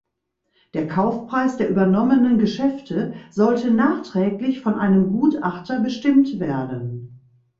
Der Kaufpreis der übernommenen Geschäfte sollte nachträglich von einem Gutachter bestimmt werden.